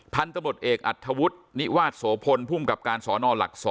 ท่านตำรวจเอกอัฐวุธนิวาทโสพลภูมิกับการศนหลัก๒